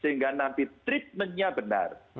sehingga nanti treatment nya benar